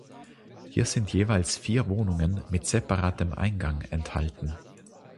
Hier sind jeweils vier Wohnungen mit separatem Eingang enthalten.